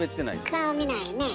顔見ないね。